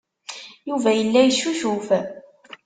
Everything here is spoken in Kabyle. Yuba yella yeccucuf.